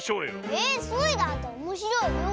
えっスイだっておもしろいよ！